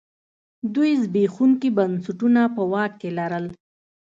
دوی زبېښونکي بنسټونه په واک کې لرل.